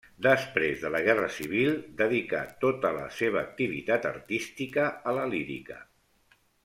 Després de la Guerra Civil, dedicà tota la seva activitat artística a la lírica.